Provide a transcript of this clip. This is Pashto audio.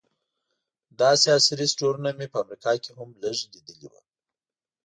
داسې عصري سټورونه مې په امریکا کې هم لږ لیدلي وو.